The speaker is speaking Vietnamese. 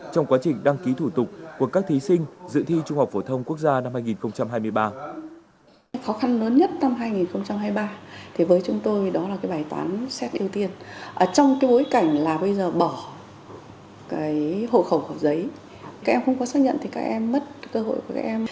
trong quá trình đăng ký thủ tục của các thí sinh dự thi trung học phổ thông quốc gia năm hai nghìn hai mươi ba